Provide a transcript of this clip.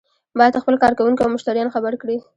باید خپل کارکوونکي او مشتریان خبر کړي.